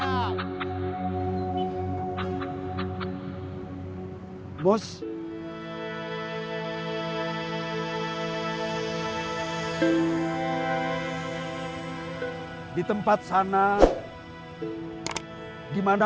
aku bisa ngetok nuk yang lebar